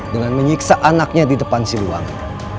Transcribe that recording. dengan menyiksa anaknya di depan siluang